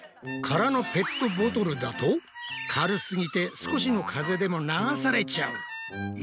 空のペットボトルだと軽すぎて少しの風でも流されちゃう！